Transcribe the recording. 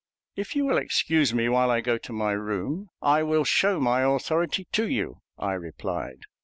"If you will excuse me while I go to my room, I will show my authority to you," I replied.